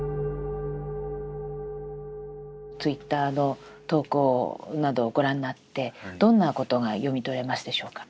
Ｔｗｉｔｔｅｒの投稿などをご覧になってどんなことが読み取れますでしょうか？